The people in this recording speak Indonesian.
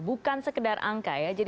bukan sekedar angka